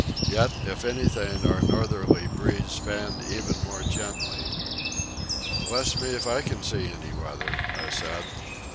Yet, if anything, our northerly breeze fanned even more gently. "Bless me if I can see any weather," I said.